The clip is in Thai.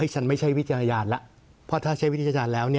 ฉันไม่ใช่วิจารณญาณแล้วเพราะถ้าใช้วิจารณ์แล้ว